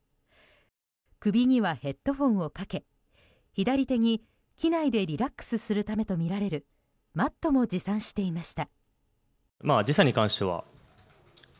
首にはヘッドフォンをかけ左手に機内でリラックスするためとみられるマットも持参していました。